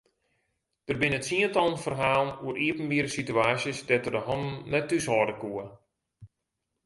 Der binne tsientallen ferhalen oer iepenbiere situaasjes dêr't er de hannen net thúshâlde koe.